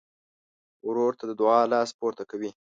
ورور ته د دعا لاس پورته کوي.